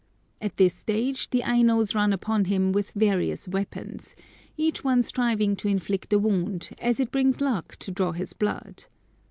At this stage the Ainos run upon him with various weapons, each one striving to inflict a wound, as it brings good luck to draw his blood.